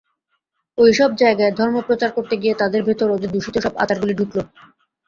ঐ-সব জায়গায় ধর্মপ্রচার করতে গিয়ে তাদের ভেতর ওদের দূষিত সব আচারগুলি ঢুকল।